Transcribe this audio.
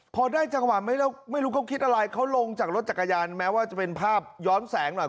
พอได้จังหวะไม่รู้เขาคิดอะไรเขาลงจากรถจักรยานแม้ว่าจะเป็นภาพย้อนแสงหน่อย